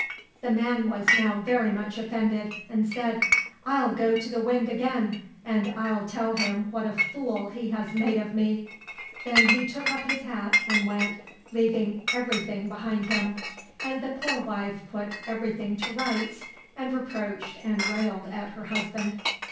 The man was now very much offended and said, " I'll go to the Wind again, and I'll tell him what a fool he has made of me." Then he took up his hat and went, leaving everything behind him. And the poor wife put everything to rights, and reproached and railed at her husband.